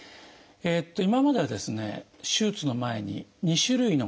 今まではですね手術の前に２種類の抗がん剤を使う。